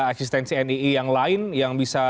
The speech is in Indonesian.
eksistensi nii yang lain yang bisa